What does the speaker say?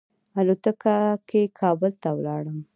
الوتکه کې کابل ته ولاړم.